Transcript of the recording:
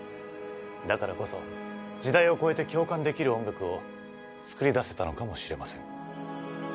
だからこそ時代を超えて共感できる音楽を作り出せたのかもしれません。